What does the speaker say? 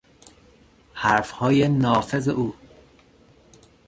حرفهای نافذ او